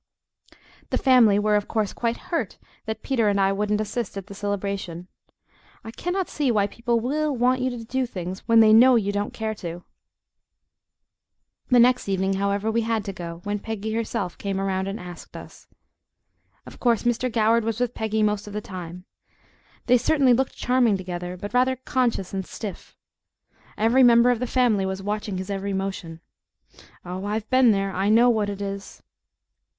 The family were, of course, quite "hurt" that Peter and I wouldn't assist at the celebration. I cannot see why people WILL want you to do things when they KNOW you don't care to! The next evening, however, we had to go, when Peggy herself came around and asked us. Of course Mr. Goward was with Peggy most of the time. They certainly looked charming together, but rather conscious and stiff. Every member of the family was watching his every motion. Oh, I've been there! I know what it is!